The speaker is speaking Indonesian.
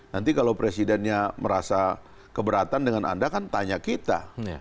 nanti kalau presidennya merasa keberatan dengan anda kan tanya kita